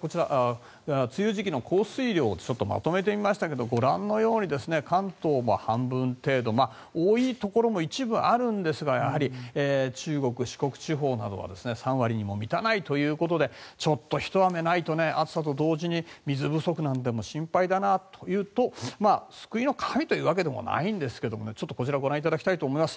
こちら、梅雨時期の降水量をまとめてみましたけどご覧のように関東は半分程度多いところも一部あるんですがやはり中国・四国地方などは３割にも満たないということでちょっとひと雨ないと暑さと同時に水不足なんて心配だなというと救いの神というわけではないんですがちょっとこちらをご覧いただきたいと思います。